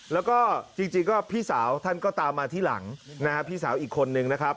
แล้วก็จริงก็พี่สาวท่านก็ตามมาที่หลังนะฮะพี่สาวอีกคนนึงนะครับ